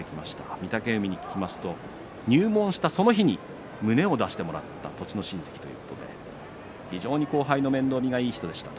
御嶽海に聞きますと入門したその日に胸を出してもらった栃ノ心関ということで非常に後輩の面倒見がいい人でした。